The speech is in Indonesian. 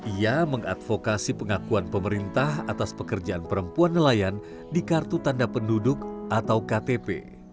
ia mengadvokasi pengakuan pemerintah atas pekerjaan perempuan nelayan di kartu tanda penduduk atau ktp